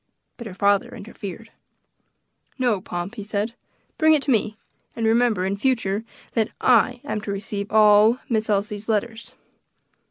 But her father interfered. "No, Pomp," he said, "bring it to me; and remember, in future, that I am to receive all Miss Elsie's letters."